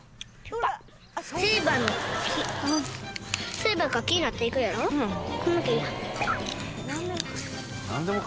スイバが木になっていくやろその茎。